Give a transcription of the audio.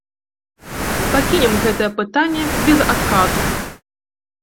Пакінем гэтае пытанне без адказу.